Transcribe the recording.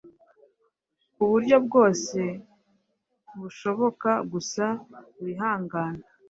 kuburyo bwose bushoboka gusa wihangane